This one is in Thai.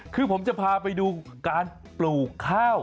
คือผมจะพาไปดูการปลูกข้าว